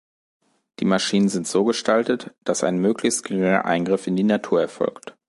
Die Maschinen sind so gestaltet, dass ein möglichst geringer Eingriff in die Natur erfolgt.